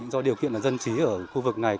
do điều kiện dân trí ở khu vực này